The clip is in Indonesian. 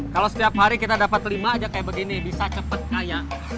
kalau setiap hari kita dapat lima aja kayak begini bisa cepat kaya